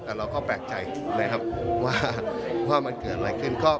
แต่เราก็แปลกใจนะครับว่ามันเกิดอะไรขึ้น